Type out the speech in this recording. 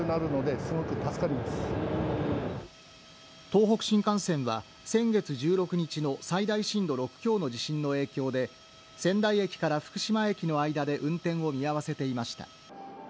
東北新幹線は先月１６日の最大震度６強の地震の影響で仙台駅から福島駅の間で運転を見合わせていました。